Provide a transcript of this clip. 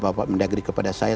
pak mendagri kepada saya